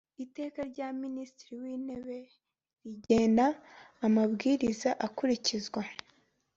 Iteka rya Minisitiri w Intebe rigena amabwiriza akurikizwa.